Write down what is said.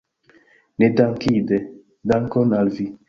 Nedankinde, dankon al vi!